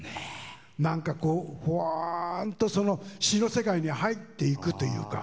なんか、ぽわーんと詞の世界に入っていくというか。